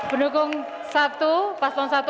pendukung satu paspon satu